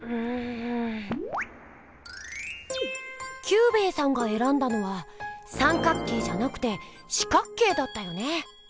キュウベイさんがえらんだのは三角形じゃなくて四角形だったよね。